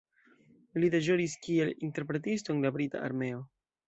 Li deĵoris kiel interpretisto en la brita armeo.